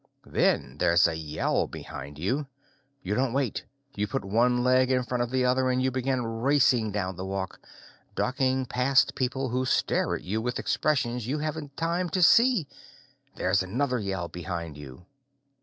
Then there's a yell behind you. You don't wait. You put one leg in front of the other and you begin racing down the walk, ducking past people, who stare at you with expressions you haven't time to see. There's another yell behind you.